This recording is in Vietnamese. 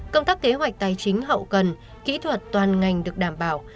công tác kế hoạch tài chính hậu cần kỹ thuật toàn ngành được đảm bảo